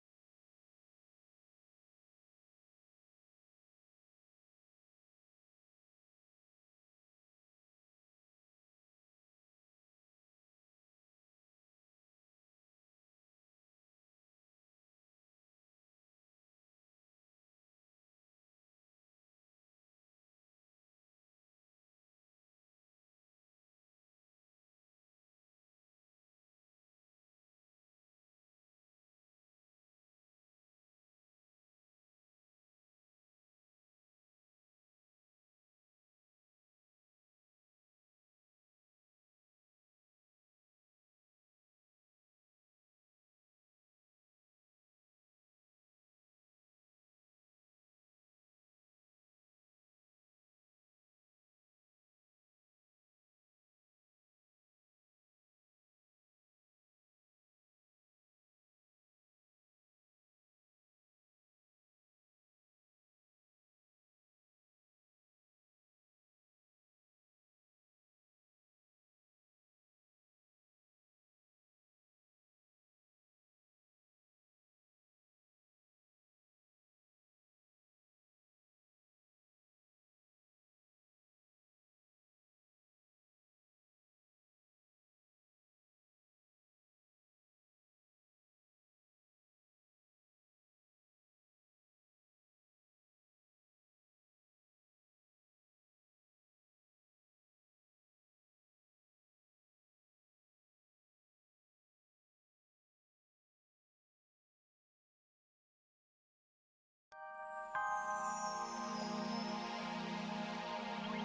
aku jalan jalan ngolok padanya